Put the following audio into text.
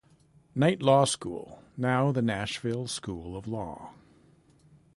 Night Law School, now the Nashville School of Law.